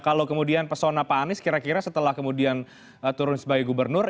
kalau kemudian pesona pak anies kira kira setelah kemudian turun sebagai gubernur